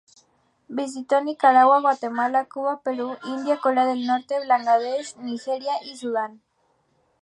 Visitó Nicaragua, Guatemala, Cuba, Perú, India, Corea del Norte, Bangladesh, Nigeria, y Sudán.